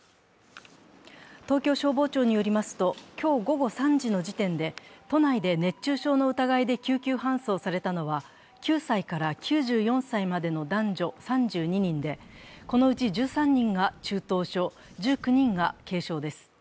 東京消防庁によりますと、今日午後３時の時点で都内で熱中症の疑いで救急搬送されたのは、９歳から９４歳までの男女３２人で、このうち１３人が中等症、１９人が軽症です。